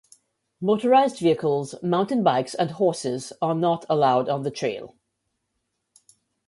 Motorized vehicles, mountain bikes, and horses are not allowed on the trail.